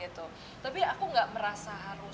tapi aku tidak merasa